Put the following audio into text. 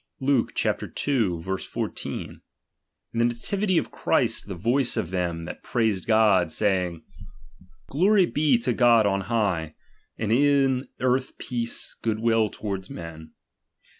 Luke ii. 14: In the nativity of Christ, the voice of them that praised God, saying, Glory be to God on high, and in earth peace, good will towards men.